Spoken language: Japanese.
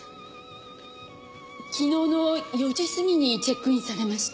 昨日の４時過ぎにチェックインされました。